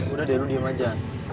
udah deh lu diem aja